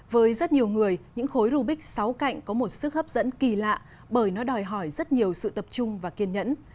với rất nhiều người những khối rubik sáu cạnh có một sức hấp dẫn kỳ lạ bởi nó đòi hỏi rất nhiều sự tập trung và kiên nhẫn